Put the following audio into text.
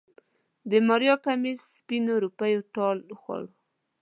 د ماريا کميس سپينو روپيو ټال خوړ.